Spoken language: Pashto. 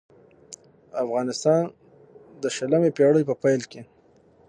افغانستان د شلمې پېړۍ په پېل کې.